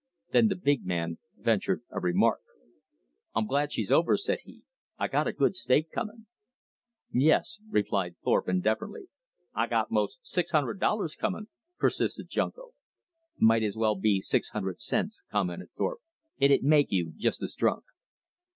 Then the big man ventured a remark. "I'm glad she's over," said he. "I got a good stake comin'." "Yes," replied Thorpe indifferently. "I got most six hundred dollars comin'," persisted Junko. "Might as well be six hundred cents," commented Thorpe, "it'd make you just as drunk."